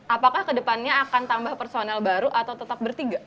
apakah kedepannya akan tambah personel baru atau tetap bertiga